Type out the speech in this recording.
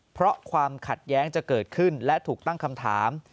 เพราะความขัดแย้งจะเกิดขึ้นและถูกตั้งคำถาม